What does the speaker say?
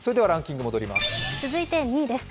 続いて２位です。